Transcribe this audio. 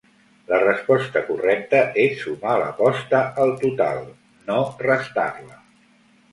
La resposta correcta és sumar l'aposta al total, no restar-la.